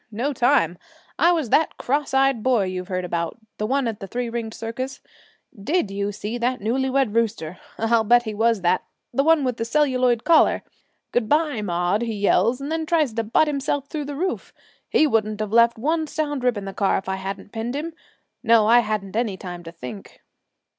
No time. I was that cross eyed boy you've heard about the one at the three ringed circus. Did you see that newly wed rooster, I'll bet he was that, the one with the celluloid collar? "Good bye, Maude!" he yells, and then tries to butt himself through the roof. He wouldn't have left one sound rib in the car if I hadn't pinned him. No, I hadn't any time to think.'